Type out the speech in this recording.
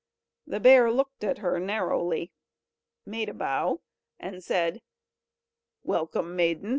The bear looked at her narrowly, made a bow, and said: "Welcome, maiden